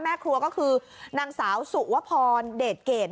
แม่ครัวก็คือนางสาวสุวพรเดชเกรด